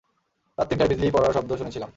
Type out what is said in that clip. রাত তিনটায়, বিজলি পড়ার শব্দ শুনেছিলাম।